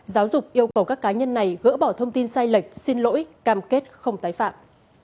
giáo dục yêu cầu các cá nhân này gỡ bỏ thông tin sai lệch xin lỗi cam kết không tái phạm